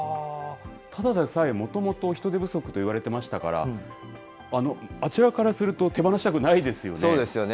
ただでさえ、もともと人手不足といわれてましたから、あちらからすると、手放したくないですよね。